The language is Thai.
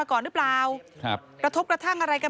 มันมีโอกาสเกิดอุบัติเหตุได้นะครับ